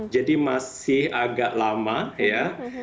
jadi masih agak lama ya